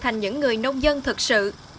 thành những người nông dân thực sự